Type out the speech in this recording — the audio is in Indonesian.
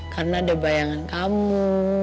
karena ada bayangan kamu